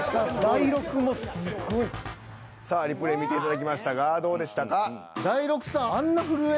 ［大六もすごい］さあリプレイ見ていただきましたがどうでしたか？